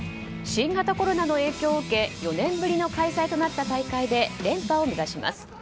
新型コロナの影響を受け４年ぶりの開催となった大会で連覇を目指します。